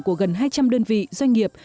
của gần hai trăm linh đơn vị doanh nghiệp